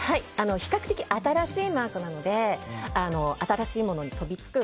比較的新しいマークなので新しいものに飛びつく